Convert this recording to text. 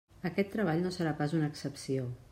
Aquest treball no serà pas una excepció.